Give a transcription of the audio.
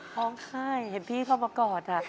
ร้องไห้เห็นพี่เข้ามากอด